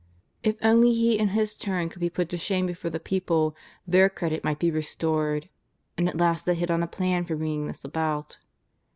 If only lie in His turn could be put to shame before the peo])le, their credit might be restored. And at last they hit on a plan for bringing this about.